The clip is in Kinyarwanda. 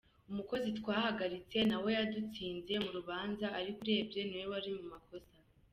Umukozi twahagaritse na we yadutsinze mu rubanza, ariko urebye ni we wari mu makosa.